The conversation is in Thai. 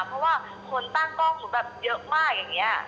เพราะว่าคนตั้งกล้องหนูแบบเยอะมากอย่างนี้